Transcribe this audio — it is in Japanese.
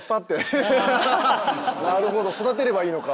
なるほど育てればいいのか。